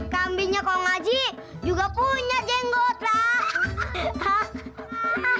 kambingnya kong aji juga punya jenggot lah